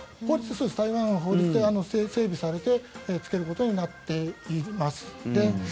台湾は法律で整備されてつけることになっています。